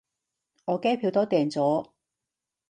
我機票都訂咗